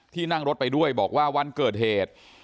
นั่งรถไปด้วยบอกว่าวันเกิดเหตุ